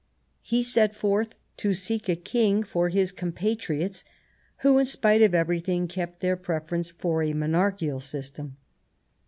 He set forth to seek a King for his compatriots, who, in spite of everything, kept their preference for a monarchical system.